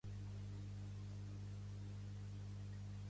Que teniu fesolets de Santa Pau?